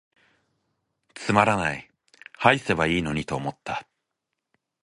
つまらない、癈せばいゝのにと思つた。